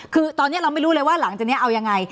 คือตอนนี้เราไม่รู้เลยว่าหลังจากนี้เอายังไง